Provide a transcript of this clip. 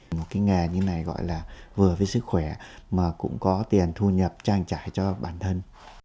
một cái nghề như này gọi là vừa với sức khỏe mà cũng có tiền thu nhập trang trải cho bản thân